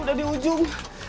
udah di ujung